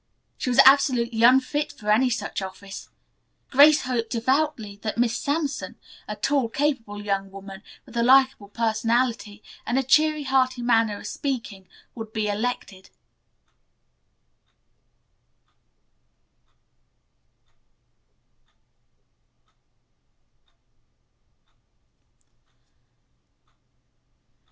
She was absolutely unfit for any such office. Grace hoped, devoutly, that Miss Sampson, a tall, capable young woman, with a likable personality and a cheery, hearty manner of speaking, would be elected.